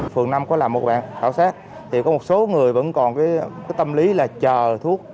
phường năm có làm một bạn khảo sát thì có một số người vẫn còn cái tâm lý là chờ thuốc